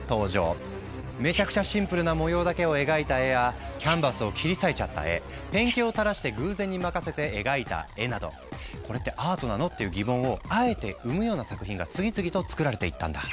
めちゃくちゃシンプルな模様だけを描いた絵やキャンバスを切り裂いちゃった絵ペンキをたらして偶然に任せて描いた絵など「これってアートなの？」っていう疑問をあえて生むような作品が次々と作られていったんだ。